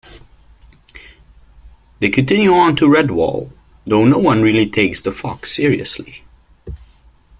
They continue on to Redwall, though no one really takes the fox seriously.